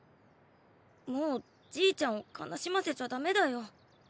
もうじいちゃんを悲しませちゃダメだよ。